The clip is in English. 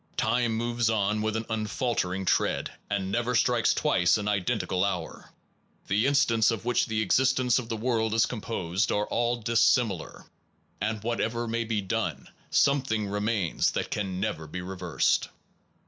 Time moves on with an unfaltering tread, and never strikes twice an identical hour. The instants of which the existence of the world is composed are all 148 THE PROBLEM OF NOVELTY dissimilar, and whatever may be done, some thing remains that can never be reversed.